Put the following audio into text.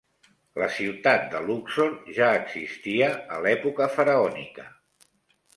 La ciutat de Luxor ja existia a l'època faraònica.